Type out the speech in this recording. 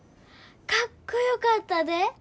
かっこよかったで。